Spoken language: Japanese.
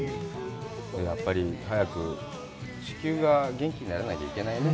やっぱり早く地球が元気にならないといけないね。